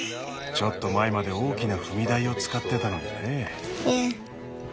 ちょっと前まで大きな踏み台を使ってたのにね。